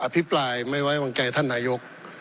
ภิปรายไม่ไว้วางใจท่านนายก